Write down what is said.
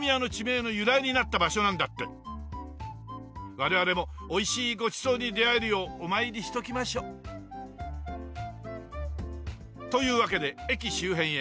我々もおいしいごちそうに出会えるようお参りしときましょ。というわけで駅周辺へ。